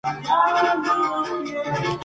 Cientos de guerreros buscaron a los agresores.